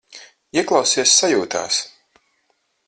Ieklausies sajūtās.